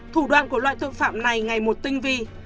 thủ đoạn của loại tội phạm này ngày một tinh vi